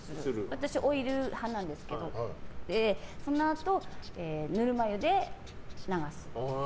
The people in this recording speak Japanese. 私、オイル派なんですけどそのあと、ぬるま湯で流す。